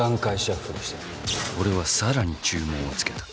俺はさらに注文をつけた。